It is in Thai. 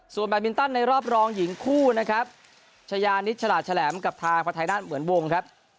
ส่วนแบบวินตันในรอบรองหญิงคู่นะครับชะยานิชชะหราชะแหลมกับทางพัฒนานเหมือนวงครับ